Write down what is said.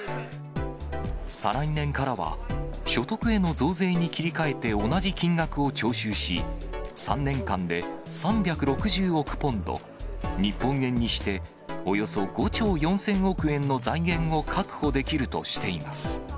再来年からは、所得への増税に切り替えて同じ金額を徴収し、３年間で３６０億ポンド、日本円にしておよそ５兆４０００億円の財源を確保できるとしています。